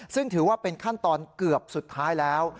ซึ่งถือว่าเป็นขั้นตอนเกือบสุดท้ายแล้ว